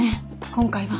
今回は。